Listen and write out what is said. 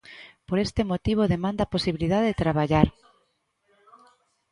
Por este motivo demanda a posibilidade de traballar.